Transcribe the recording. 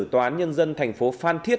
tòa án nhân dân thành phố phan thiết